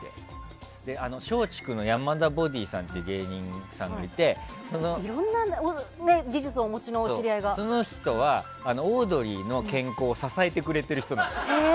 松竹の山田ボディーさんっていろんな技術をお持ちのその人はオードリーの健康を支えてくれてる人です。